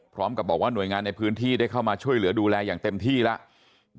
พร้อมกับบอกว่าหน่วยงานในพื้นที่ได้เข้ามาช่วยเหลือดูแลอย่างเต็มที่แล้ว